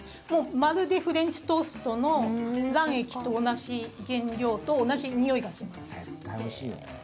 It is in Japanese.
まるでフレンチトーストの卵液と同じ原料と絶対おいしいよね。